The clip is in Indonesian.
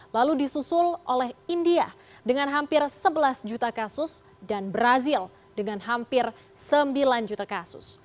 lalu disusul oleh india dengan hampir sebelas juta kasus dan brazil dengan hampir sembilan juta kasus